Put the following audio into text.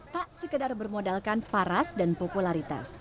tak sekedar bermodalkan paras dan popularitas